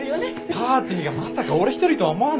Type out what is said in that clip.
パーティーがまさか俺一人とは思わなくて。